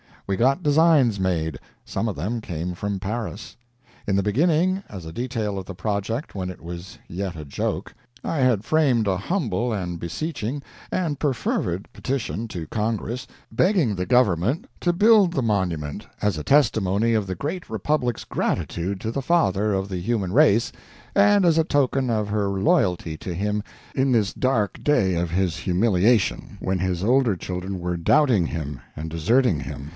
We got designs made some of them came from Paris. In the beginning as a detail of the project when it was yet a joke I had framed a humble and beseeching and perfervid petition to Congress begging the government to build the monument, as a testimony of the Great Republic's gratitude to the Father of the Human Race and as a token of her loyalty to him in this dark day of humiliation when his older children were doubting and deserting him.